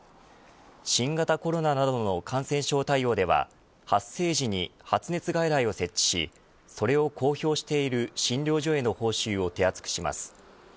新型コロナなどの感染症対応では発生時に発熱外来を設置しそれを公表している診療所への報酬を手厚くします。